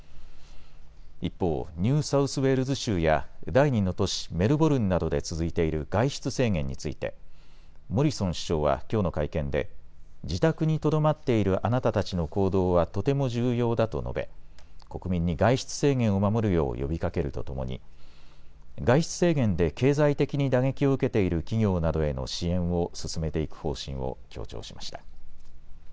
一方、ニューサウスウェールズ州や第２の都市メルボルンなどで続いている外出制限についてモリソン首相はきょうの会見で自宅にとどまっているあなたたちの行動はとても重要だと述べ国民に外出制限を守るよう呼びかけるとともに外出制限で経済的に打撃を受けている企業などへの支援を進めていく方針を強調しました。